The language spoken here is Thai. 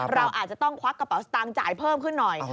เราอาจจะต้องควักกระเป๋าสตางค์จ่ายเพิ่มขึ้นหน่อย